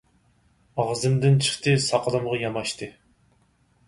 ئاغزىمدىن چىقتى، ساقىلىمغا ياماشتى.